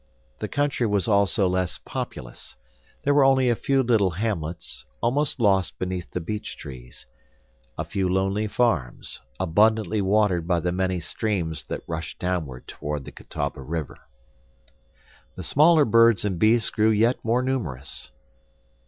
The country was also less populous. There were only a few little hamlets, almost lost beneath the beech trees, a few lonely farms, abundantly watered by the many streams that rushed downward toward the Catawba River. The smaller birds and beasts grew yet more numerous.